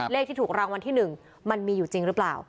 เลขที่ถูกรางวัลที่๑มันมีอยู่จริงหรือเปล่า